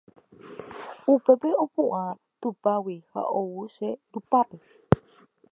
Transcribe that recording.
Upépe opu'ã tupágui ha ou che rupápe